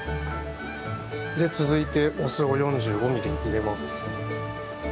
続いて、お酢を４５ミリ入れます。